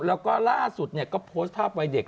แล้วก็ล่าสุดก็โพสต์ภาพวัยเด็ก